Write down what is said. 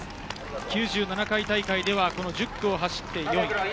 ９７回大会で１０区を走って４位。